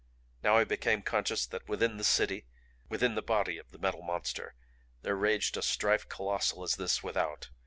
Now I became conscious that within the City within the body of the Metal Monster there raged a strife colossal as this without.